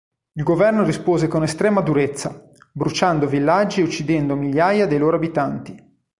Il governo rispose con estrema durezza, bruciando villaggi e uccidendo migliaia dei loro abitanti.